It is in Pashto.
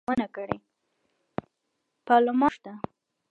پارلمان غونډه یې راوغوښته.